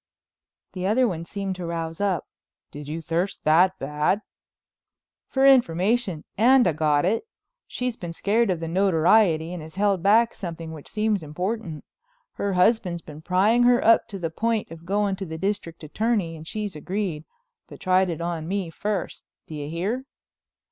The other one seemed to rouse up. "Did you thirst that bad?" "For information—and I got it. She's been scared of the notoriety and has held back something which seems important. Her husband's been prying her up to the point of going to the District Attorney and she's agreed, but tried it on me first. Do you hear?"